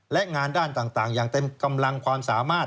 และงานด้านต่างอย่างเต็มกำลังความสามารถ